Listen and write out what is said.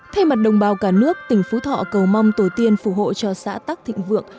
thay mặt đồng bào cả nước tỉnh phú thọ cầu mong tổ tiên phù hộ cho xã tắc thịnh vượng